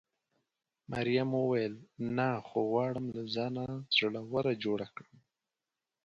مريم وویل: نه، خو غواړم له ځانه زړوره جوړه کړم.